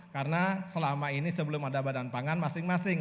karena selama ini sebelum ada badan pangan masing masing